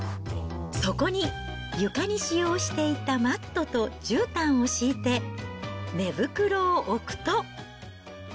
そこに、床に使用していたマットとじゅうたんを敷いて、寝袋を置くと。